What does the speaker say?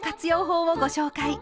法をご紹介。